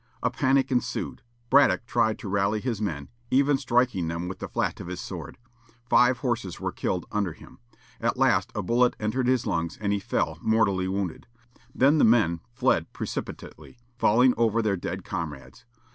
A panic ensued. Braddock tried to rally his men; even striking them with the flat of his sword. Five horses were killed under him. At last a bullet entered his lungs, and he fell, mortally wounded. Then the men fled precipitately, falling over their dead comrades.